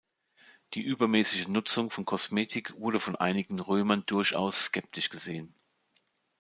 Die übermäßige Nutzung von Kosmetik wurde von einigen Römern durchaus skeptisch gesehen.